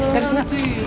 ya udah apa